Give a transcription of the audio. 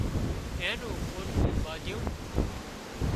اين نون پوٽڪُون ٻانڌيون